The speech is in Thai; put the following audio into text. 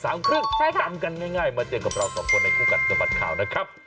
กลับถึงเรื่องของเวลานะครับ๑๕๓๐นใบ๓๓๐นจำกันง่ายมาเจอกับเราสองคนในคู่กัดสบัดข่าวนะครับ